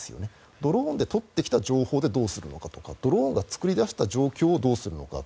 ドローンで取ってきた情報でどうするのかとかドローンが作り出した状況でどうするのか。